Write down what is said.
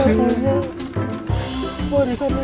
ini satu satunya